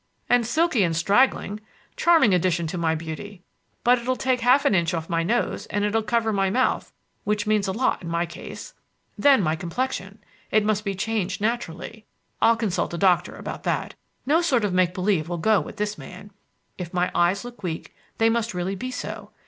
"And silky and straggling. Charming addition to my beauty. But it'll take half an inch off my nose, and it'll cover my mouth, which means a lot in my case. Then my complexion! It must be changed naturally. I'll consult a doctor about that. No sort of make believe will go with this man. If my eyes look weak, they must really be so.